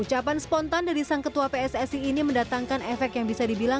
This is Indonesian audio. ucapan spontan dari sang ketua pssi ini mendatangkan efek yang bisa dibilang